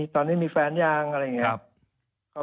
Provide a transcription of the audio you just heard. ตอนนี้มีแฟนยังอะไรอย่างนี้